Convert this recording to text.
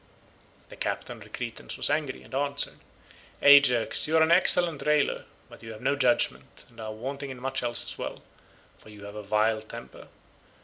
The captain of the Cretans was angry, and answered, "Ajax you are an excellent railer, but you have no judgement, and are wanting in much else as well, for you have a vile temper.